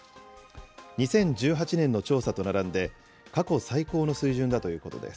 ２０１８年の調査と並んで、過去最高の水準だということです。